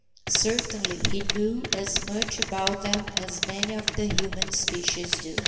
Certainly he knew as much about them as many of the human species do.